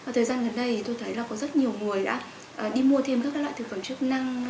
thời gian gần đây thì tôi thấy là có rất nhiều người đã đi mua thêm các loại thực phẩm chức năng